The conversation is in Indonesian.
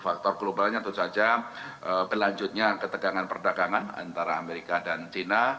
faktor globalnya tentu saja berlanjutnya ketegangan perdagangan antara amerika dan china